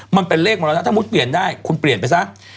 มันเป็นเลขมันแล้วถ้าพูดเปลี่ยนได้คุณเปลี่ยนไปซะ